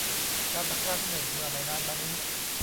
กาลครั้งหนึ่ง เมื่อไม่นานมานี้